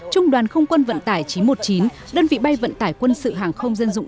trung đoàn không quân vận tải chín trăm một mươi chín đơn vị bay vận tải quân sự hàng không dân dụng